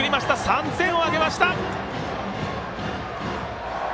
３点を挙げました！